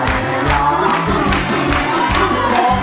น้องดาวร้อง